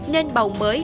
nên bầu mới